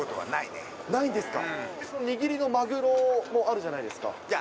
握りのマグロもあるじゃないですか。